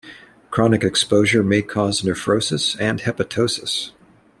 Chronic exposure may cause nephrosis and hepatosis.